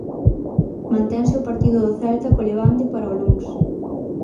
Mantense o partido do Celta co Levante para o luns.